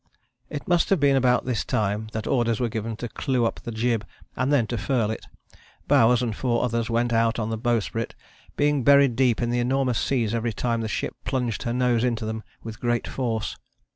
It must have been about this time that orders were given to clew up the jib and then to furl it. Bowers and four others went out on the bowsprit, being buried deep in the enormous seas every time the ship plunged her nose into them with great force.